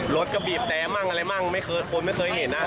รถกระบีบแต้มั่งอะไรมั่งคนไม่เคยเห็นนะ